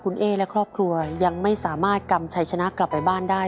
คุณเอ๊และครอบครัวยังไม่สามารถกำชัยชนะกลับไปบ้านได้